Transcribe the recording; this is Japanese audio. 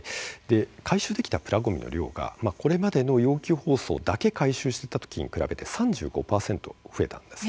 回収できたプラごみの量がこれまでの容器包装だけ回収していたときと比べて３５％増えました。